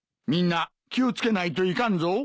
みんな気を付けないといかんぞ。